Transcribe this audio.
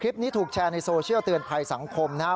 คลิปนี้ถูกแชร์ในโซเชียร์เตือนภัยสังคมนะฮะ